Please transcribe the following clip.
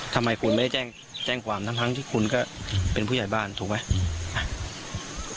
ทำไมคุณไม่ได้แจ้งความทั้งที่คุณก็เป็นผู้ใหญ่บ้านถูกไหม